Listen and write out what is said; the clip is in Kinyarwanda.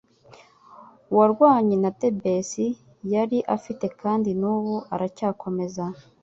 warwanye na Tebesi yari afite kandi n'ubu aracyakomeza